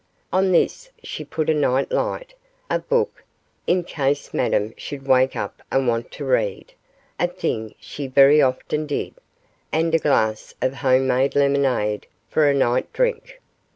On this she put a night light, a book, in case Madame should wake up and want to read a thing she very often did and a glass of homemade lemonade, for a night drink.